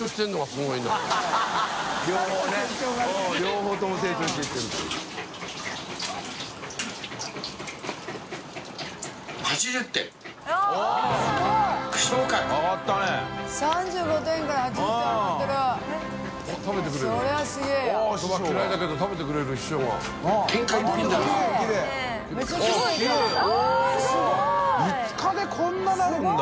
すごい！５日でこんななるんだ。